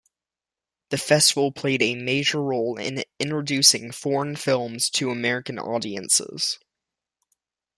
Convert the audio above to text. The festival played a major role in introducing foreign films to American audiences.